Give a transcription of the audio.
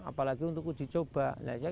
apalagi untuk uji coba